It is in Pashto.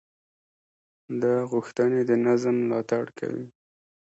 دا غوښتنې د نظم ملاتړ کوي.